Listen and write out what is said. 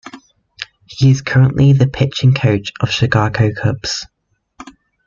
He is currently the pitching coach of Chicago Cubs.